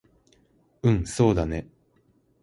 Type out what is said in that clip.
うんそうだね